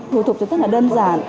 thủ tục rất là đơn giản